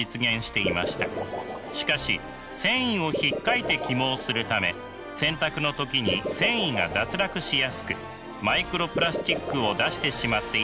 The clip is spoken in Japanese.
しかし繊維をひっかいて起毛するため洗濯の時に繊維が脱落しやすくマイクロプラスチックを出してしまっていたのです。